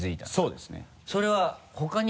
そうですね。